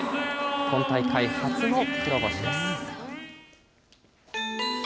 今大会初の黒星です。